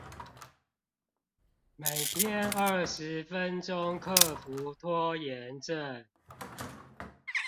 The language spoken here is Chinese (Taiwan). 每天二十分鐘克服拖延症